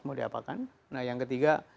mau diapakan nah yang ketiga